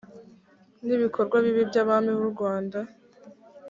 n ibikorwa bibi by abami b urwanda